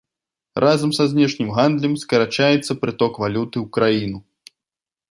Разам са знешнім гандлем скарачаецца прыток валюты ў краіну.